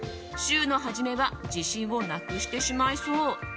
週の初めは自信をなくしてしまいそう。